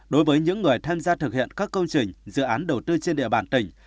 đối với những người tham gia thực hiện các công trình dự án đầu tư trên địa bàn tỉnh